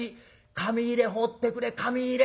紙入れ放ってくれ紙入れ！」。